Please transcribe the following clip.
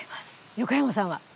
横山さんは？